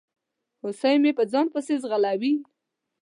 هوسۍ مې په ځان پسي ځغلوي